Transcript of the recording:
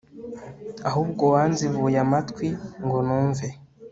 ahubwo wanzibuye amatwi ngo numve